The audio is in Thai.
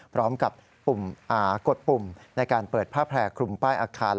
พร้อมกับปุ่มอากดปุ่มในการเปิดผ้าแผลกลุ่มป้ายอาคาร